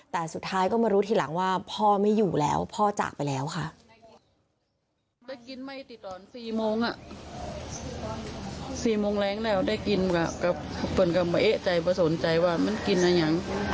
แต่สุดท้ายก็มารู้ทีหลังว่าพ่อไม่อยู่แล้วพ่อจากไปแล้วค่ะ